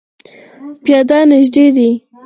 پیاده نږدې دی